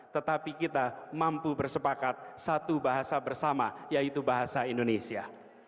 tetapi kita mampu bersepakat satu bahasa bersama yaitu bahasa indonesia